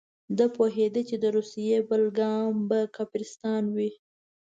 ده پوهېده چې د روسیې بل ګام به کافرستان وي.